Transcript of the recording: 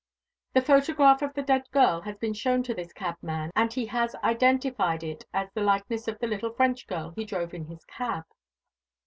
The photograph of the dead girl has been shown to this cabman, and he has identified it as the likeness of the little French girl he drove in his cab."